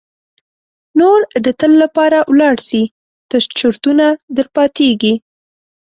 نور د تل لپاره ولاړ سي تش چرتونه در پاتیږي.